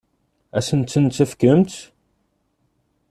Ad asen-tent-tefkemt?